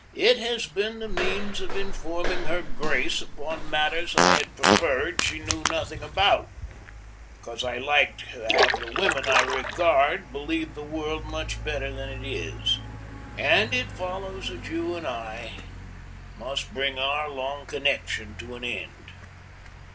It has been the means of informing her Grace upon matters I had preferred she knew nothing about, because I liked to have the women I regard believe the world much better than it is. And it follows that you and I must bring our long connection to an end.